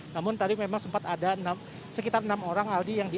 namun tadi memang sempat ada sekitar enam orang aldi